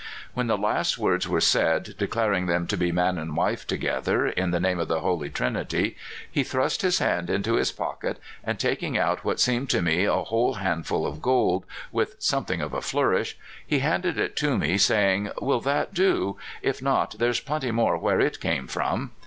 When the last words were said, declaring them to be man and wife together, in the name of the Holy Trinity, he thrust his hand into his pocket, and taking out what seemed to me a whole hand ful of gold, with something of a flourish, he handed it to me, saying: " Will that do? If not, there's plenty more where it came from."